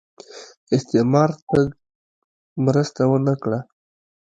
استعمار تګ مرسته ونه کړه